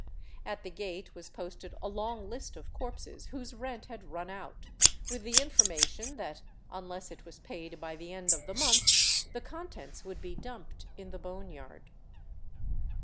At the gate was posted a long list of corpses whose rent had run out, with the information that unless it was paid by the end of the month the contents would be dumped in the boneyard.